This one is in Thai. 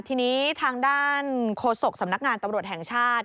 ทีนี้ทางด้านโฆษกสำนักงานตำรวจแห่งชาติ